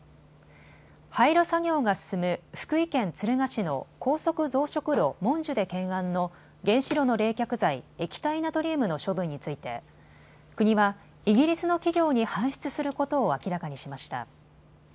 廃炉作業が進む福井県敦賀市の高速増殖炉もんじゅで懸案の原子炉の冷却材、液体ナトリウムの処分について国はイギリスの企業に搬出することを明らかにしました。